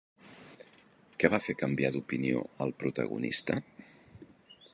Què va fer canviar d'opinió al protagonista?